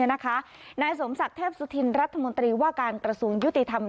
นายสมศักดิ์เทพสุธินรัฐมนตรีว่าการกระทรวงยุติธรรม